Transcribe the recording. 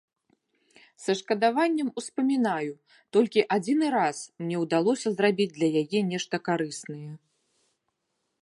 Са шкадаваннем успамінаю, толькі адзіны раз мне ўдалося зрабіць для яе нешта карыснае.